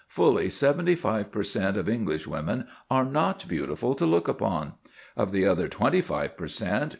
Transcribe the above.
Fully seventy five per cent. of Englishwomen are not beautiful to look upon. Of the other twenty five per cent.